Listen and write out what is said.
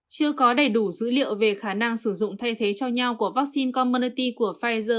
chưa có đầy đủ dữ liệu về khả năng sử dụng thay thế cho nhau của vaccine commerty của pfizer